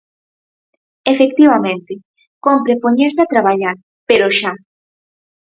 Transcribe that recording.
Efectivamente, cómpre poñerse a traballar, pero xa.